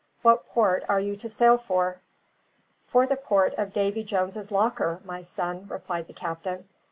What port are you to sail for?" "For the port of Davy Jones's Locker, my son," replied the captain.